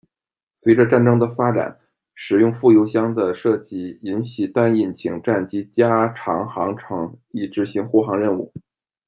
随着战争的进展，使用副油箱的设计允许单引擎战机加长航程以执行护航任务。